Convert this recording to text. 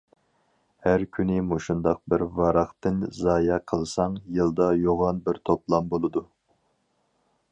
ھەر كۈنى مۇشۇنداق بىر ۋاراقتىن زايە قىلساڭ، يىلدا يوغان بىر توپلام بولىدۇ.